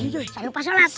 jangan lupa sholat